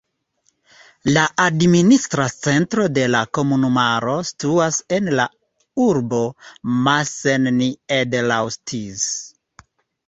La administra centro de la komunumaro situas en la urbo Massen-Niederlausitz.